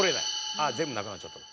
ああ全部なくなっちゃったと。